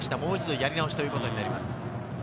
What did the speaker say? やり直しということになります。